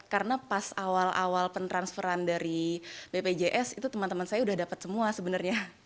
karena pas awal awal pen transferan dari bpjs itu teman teman saya udah dapat semua sebenarnya